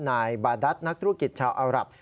นายบาดัสนักธุรกิจชาวอารับ